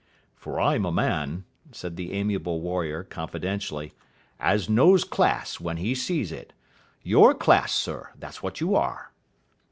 "For I'm a man," said the amiable warrior confidentially, "as knows Class when he sees it. You're Class, sir, that's what you are."